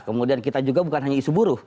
kemudian kita juga bukan hanya isu buruh